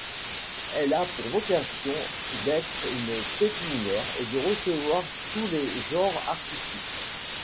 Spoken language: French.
Elle a pour vocation d'être une pépinière et de recevoir tous les genres artistiques.